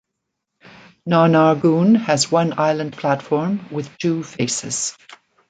Nar Nar Goon has one island platform with two faces.